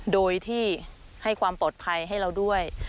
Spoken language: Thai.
โดยที่ให้ความปลอดภัยให้เราด้วย